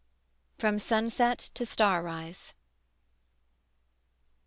FROM SUNSET TO STAR RISE.